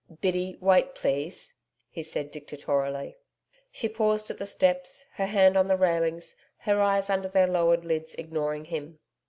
'Biddy, wait please,' he said dictatorially. She paused at the steps, her hand on the railings, her eyes under their lowered lids ignoring him.